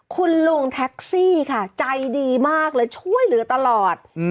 คุณลุงแท็กซี่ค่ะใจดีมากเลยช่วยเหลือตลอด